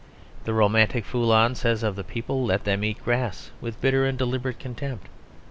The romantic Foulon says of the people, "Let them eat grass," with bitter and deliberate contempt.